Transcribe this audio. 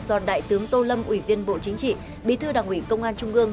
do đại tướng tô lâm ủy viên bộ chính trị bí thư đảng ủy công an trung ương